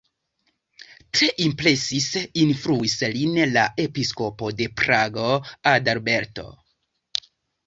Tre impresis, influis lin la episkopo de Prago, Adalberto.